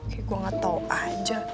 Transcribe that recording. eh gue gak tau aja